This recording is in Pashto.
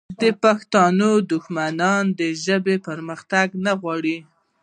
د پښتنو دښمنان د دې ژبې پرمختګ نه غواړي